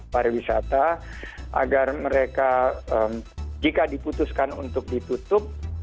para wisata agar mereka jika diputuskan untuk ditutup